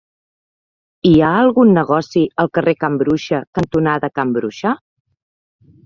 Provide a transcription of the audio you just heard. Hi ha algun negoci al carrer Can Bruixa cantonada Can Bruixa?